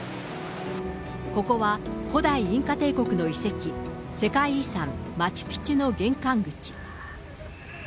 ここは古代インカ帝国の遺跡、世界遺産、マチュピチュの玄関口。